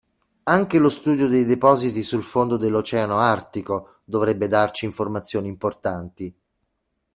Anche lo studio dei depositi sul fondo dell'Oceano Artico dovrebbe darci informazioni importanti.